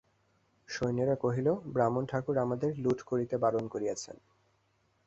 সৈন্যেরা কহিল, ব্রাহ্মণ-ঠাকুর আমাদের লুঠ করিতে বারণ করিয়াছেন।